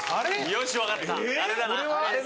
よし分かった！